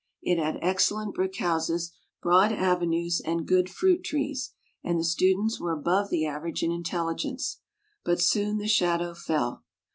It had excellent brick houses, broad avenues and good fruit trees, and the students were above the average in intelligence. But soon the shadow fell.